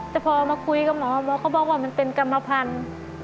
แต่พอมาคุยกับหมอหมอก็บอกว่ามันเป็นกรรมพันธุ์